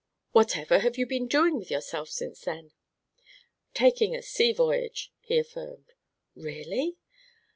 "Whatever have you been doing with yourself since then?" "Taking a sea voyage," he affirmed. "Really?"